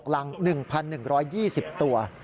รัง๑๑๒๐ตัว